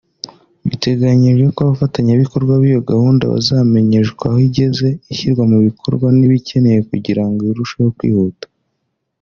Biteganyijwe ko abafatanyabikorwa b’iyo gahunda bazamenyeshwa aho igeze ishyirwa mu bikorwa n’ibikeneye kugira ngo irusheho kwihuta